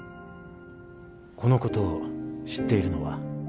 このことを知っているのは？